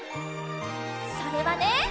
それはね。